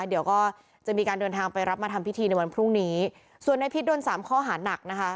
เดี๋ยวก็จะมีการเดินทางไปรับมาทำพิธีในวันพรุ่งนี้ส่วนในพิษโดนสามข้อหานักนะคะ